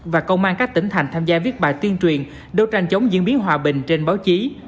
và công an các tỉnh thành tham gia viết bài tuyên truyền đấu tranh chống diễn biến hòa bình trên báo chí